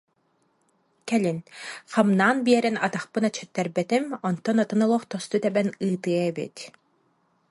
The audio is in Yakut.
Кэлин: «Хамнаан биэрэн атахпын эчэттэрбэтим, онтон атын олох тосту тэбэн ыытыа эбит»